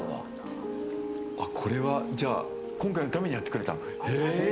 これはじゃあ今回のためにやってくれたんだ。